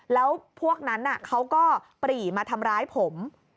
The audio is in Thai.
แล้วพวกนั้นเขาก็ปรีมาทำร้ายผม